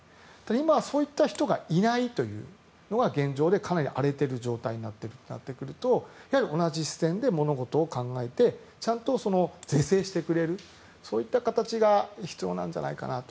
今はそういった人がいないというのが現状でかなり荒れている状態になっているとやはり同じ視線で物事を考えて是正してくれるそういった形が必要なんじゃないかなと。